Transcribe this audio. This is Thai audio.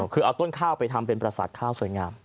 คือเอาต้นข้าวไปทำเป็นประสาทข้าวสวยงาม